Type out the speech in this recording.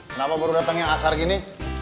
kenapa baru datang yang asar gini